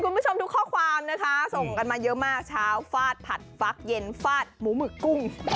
คุณผู้ชมทุกข้อความนะคะส่งกันมาเยอะมากเช้าฟาดผัดฟักเย็นฟาดหมูหมึกกุ้ง